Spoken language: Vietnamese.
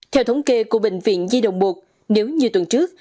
theo thống kê của bệnh viện di đồng bột nếu như tuần trước